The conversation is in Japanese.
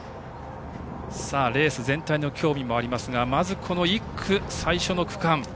レース全体の興味もありますがまずこの１区、最初の区間。